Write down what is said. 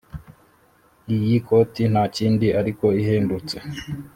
Iyi koti ntakindi ariko ihendutse